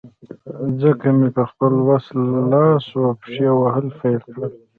ځکه مې په خپل وس، لاس او پښې وهل پیل کړل.